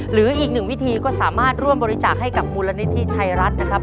หรืออีกหนึ่งวิธีก็สามารถร่วมบริจาคให้กับมูลนิธิไทยรัฐนะครับ